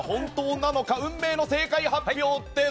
運命の正解発表です。